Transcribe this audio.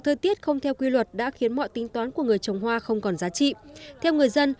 thời tiết không theo quy luật đã khiến mọi tính toán của người trồng hoa không còn giá trị theo người dân